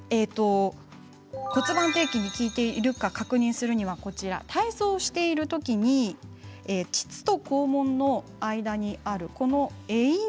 骨盤底筋に効いているか確認するには体操しているときに膣と肛門の間にある会陰